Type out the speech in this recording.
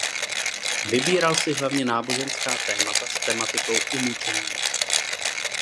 Vybíral si hlavně náboženská témata s tematikou umučení.